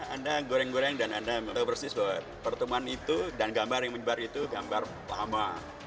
anda goreng goreng dan anda tahu persis bahwa pertemuan itu dan gambar yang menyebar itu gambar lama